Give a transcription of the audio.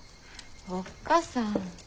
おっ母さん。